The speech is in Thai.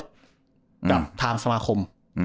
กับทางสมาคม